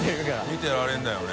見てられるんだよね。